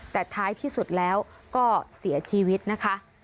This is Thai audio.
แต่ท้ายที่สุดแล้วก็เสียชีวิตนะคะ